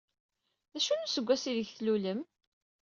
D acu n useggas aydeg d-tlulem?